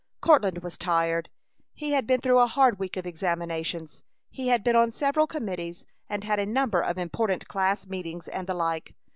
Courtland was tired. He had been through a hard week of examinations, he had been on several committees, and had a number of important class meetings, and the like.